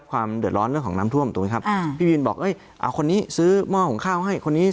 การสื่อสารอย่างนี้ใช่ไหม